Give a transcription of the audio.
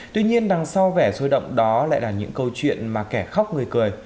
tuy nhiên đằng sau vẻ sôi động đó lại là những câu chuyện mà kẻ khóc người cười